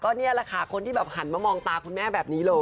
นี่แหละค่ะคนที่แบบหันมามองตาคุณแม่แบบนี้เลย